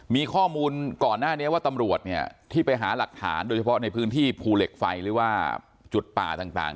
มีข้อมูลก่อนหน้านี้ว่าตำรวจเนี่ยที่ไปหาหลักฐานโดยเฉพาะในพื้นที่ภูเหล็กไฟหรือว่าจุดป่าต่าง